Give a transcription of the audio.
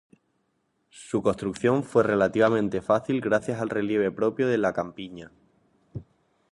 Su construcción fue relativamente fácil gracias al relieve propio de la Campiña.